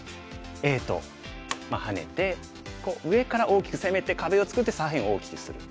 Ａとハネて上から大きく攻めて壁を作って左辺を大きくする。